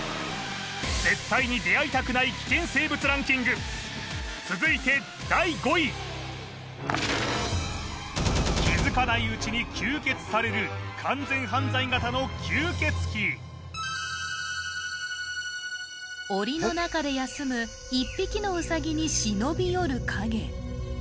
絶対に出会いたくない危険生物ランキング続いて第５位気づかないうちに吸血されるおりの中で休む１匹のうさぎに忍び寄る影